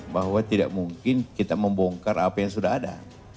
bahwa tidak mungkin kita membongkar apa yang sudah ada